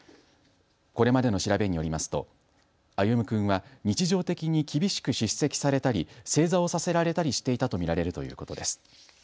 これまでの調べによりますと歩夢君は日常的に厳しく叱責されたり正座をさせられたりしていたと見られるということです。